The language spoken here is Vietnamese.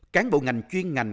cán bộ ngành chuyên ngành